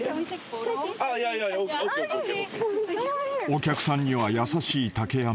［お客さんには優しい竹山。